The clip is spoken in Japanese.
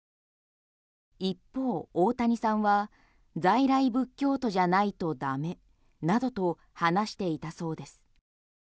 一方、大谷さんは在来仏教徒じゃないと駄目などと話していたそうです。